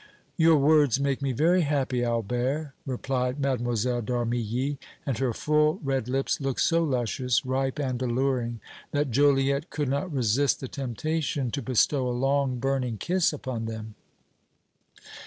"Your words make me very happy, Albert," replied Mlle. d'Armilly, and her full red lips looked so luscious, ripe and alluring, that Joliette could not resist the temptation to bestow a long, burning kiss upon them.